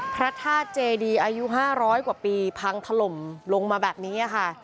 พระธาตุเจดีอายุ๕๐๐กว่าปีพังถล่มลงมาแบบนี้ค่ะ